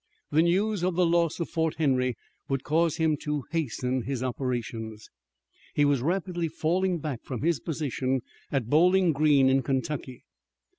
The news of the loss of Fort Henry would cause him to hasten his operations. He was rapidly falling back from his position at Bowling Green in Kentucky.